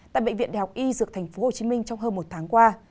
tại bệnh viện đại học y dược tp hcm trong hơn một tháng qua